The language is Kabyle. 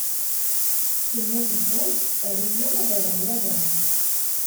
Tenna tebburt: err-iyi, ad rreɣ lada!